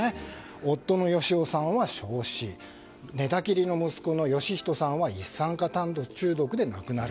夫の芳男さんは焼死寝たきりの息子の芳人さんは一酸化炭素中毒で亡くなる。